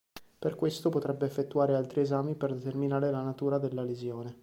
Per questo potrebbe effettuare altri esami per determinare la natura della lesione.